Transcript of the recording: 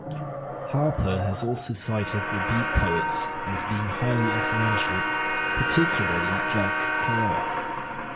Harper has also cited the Beat poets as being highly influential, particularly Jack Kerouac.